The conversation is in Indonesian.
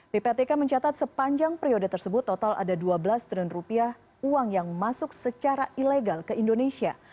ppatk mencatat sepanjang periode tersebut total ada dua belas triliun rupiah uang yang masuk secara ilegal ke indonesia